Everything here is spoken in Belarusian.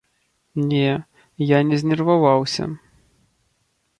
Не, я не знерваваўся.